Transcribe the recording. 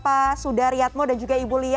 terima kasih banyak bapak sudaryatmo dan juga ibu bu